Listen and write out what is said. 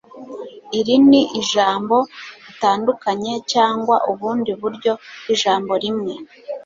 iri ni ijambo ritandukanye cyangwa ubundi buryo bwijambo rimwe